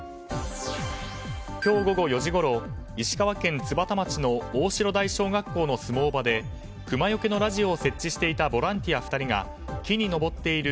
今日午後４時ごろ石川県津幡町の太白台小学校の相撲場でクマよけのラジオを設置していたボランティア２人が木に上っている